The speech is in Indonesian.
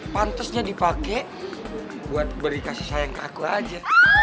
pantesnya dipakai buat beri kasih sayang ke aku aja